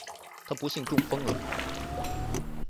她不幸中风了